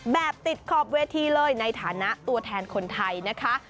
แบบติดขอบเวทีเลยในฐานะตัวแทนคนไทยนะคะ